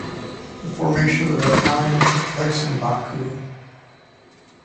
The formation of the battalion took place in Baku.